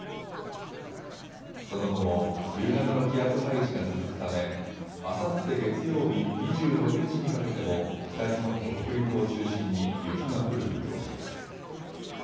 その後も冬型の気圧配置が続くためあさって月曜日２６日にかけても北日本と北陸を中心に雪が降る見通しです。